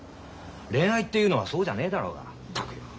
恋愛っていうのはそうじゃねえだろうがったくよ！